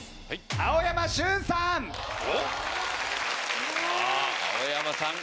青山さん。